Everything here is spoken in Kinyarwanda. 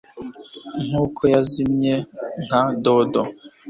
Nkuko yazimye nka dodo